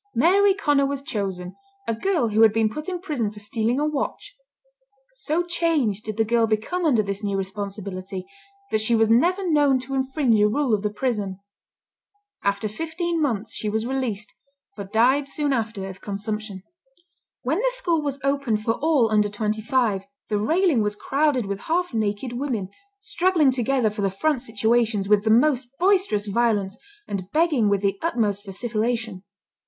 Mary Conner was chosen, a girl who had been put in prison for stealing a watch. So changed did the girl become under this new responsibility, that she was never known to infringe a rule of the prison. After fifteen months she was released, but died soon after of consumption. When the school was opened for all under twenty five, "the railing was crowded with half naked women, struggling together for the front situations, with the most boisterous violence, and begging with the utmost vociferation."